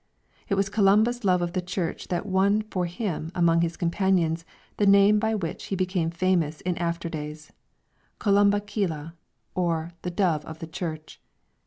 It was Columba's love of the Church that won for him among his companions the name by which he became famous in after days "Columb cille" or "the dove of the Church."